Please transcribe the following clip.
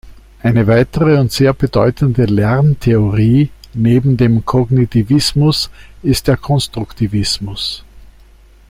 Eine weitere und sehr bedeutende Lerntheorie neben dem Kognitivismus ist der Konstruktivismus.